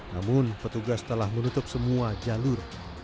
namun petugas telah menutup semua jalur